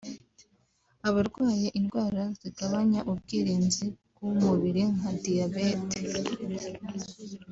Abarwaye indwara zigabanya ubwirinzi bw’umubiri nka diyabete